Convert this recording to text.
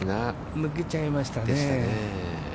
抜けちゃいましたね。